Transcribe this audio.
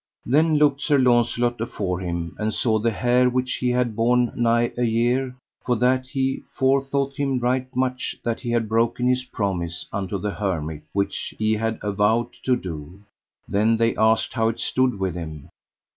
Then looked Sir Launcelot afore him, and saw the hair which he had borne nigh a year, for that he for thought him right much that he had broken his promise unto the hermit, which he had avowed to do. Then they asked how it stood with him.